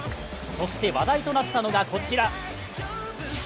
そして話題となったのがこちら。